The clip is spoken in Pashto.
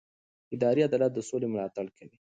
اداري عدالت د سولې ملاتړ کوي